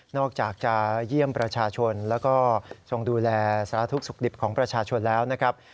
อกจากจะเยี่ยมประชาชนแล้วก็ทรงดูแลสารทุกข์สุขดิบของประชาชนแล้วนะครับ